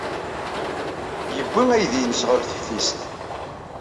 Yewwi aydi-nnes ɣer teftist.